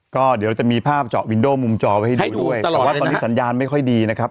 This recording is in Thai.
ก็เดี๋ยวเราจะมีภาพเจาะวินโดมุมจอไว้ให้ดูด้วยแต่ว่าตอนนี้สัญญาณไม่ค่อยดีนะครับ